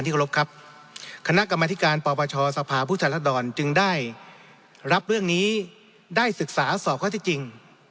ครับคณะกรรมนาธิการปปปชสภาพภูมิแทนรัฐดรจึงได้รับเรื่องนี้ได้ศึกษาสอบข้อสิทธิจริง